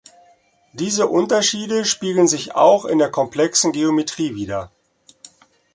Diese Unterschiede spiegeln sich auch in der komplexen Geometrie wider.